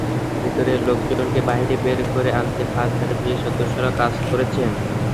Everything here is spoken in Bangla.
ভেতরের লোকজনকে বাইরে বের করে আনতে ফায়ার সার্ভিসের সদস্যরাও কাজ করছেন।